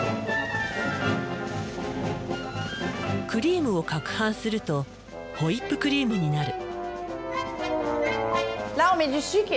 クリームをかくはんするとホイップクリームになる。